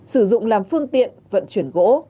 sử dụng làm phương tiện vận chuyển gỗ